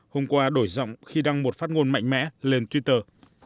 hôm qua đổi giọng khi đăng một phát ngôn mạnh mẽ lên twitter